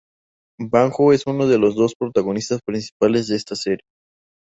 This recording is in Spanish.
Banjo es uno de los dos protagonistas principales de la serie.